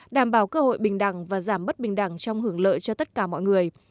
đảm bảo cơ hội bình đẳng và giảm bất bình đẳng trong hưởng lợi cho tất cả mọi người